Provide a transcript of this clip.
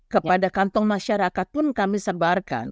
kepada kantong masyarakat pun kami sebarkan